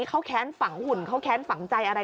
เขาแค้นฝังหุ่นเขาแค้นฝังใจอะไร